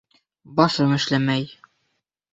Башым эшләмәй...